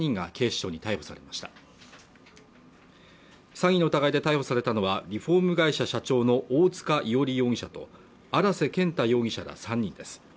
詐欺の疑いで逮捕されたのはリフォーム会社社長の大塚伊織容疑者と荒瀬健太容疑者ら３人です